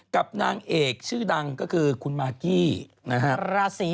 กับนางเอกชื่อดังก็คือคุณมากกี้นะฮะ